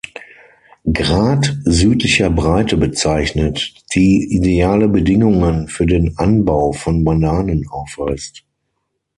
Grad südlicher Breite bezeichnet, die ideale Bedingungen für den Anbau von Bananen aufweist.